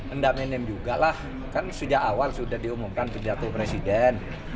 enda menem juga lah kan sudah awal sudah diumumkan penjatu presiden